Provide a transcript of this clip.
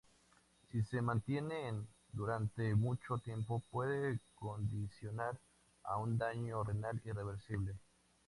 Si se mantiene durante mucho tiempo puede condicionar a un daño renal irreversible.